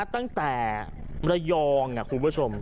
ตั้งแต่ระยองคุณผู้ชม